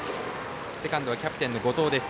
セカンドはキャプテンの後藤です。